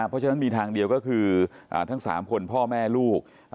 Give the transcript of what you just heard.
เพราะฉะนั้นมีทางเดียวก็คือทั้ง๓คนพ่อแม่ลูก